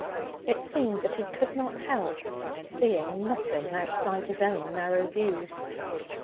It seemed that he could not help seeing nothing outside his own narrow views.